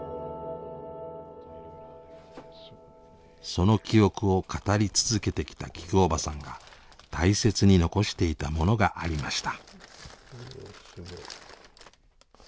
その記憶を語り続けてきたきくおばさんが大切に遺していたものがありました。